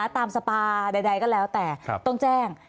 สปาใดก็แล้วแต่ต้องแจ้ง